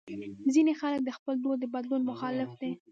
ځینې خلک د خپل دود د بدلون مخالف دي.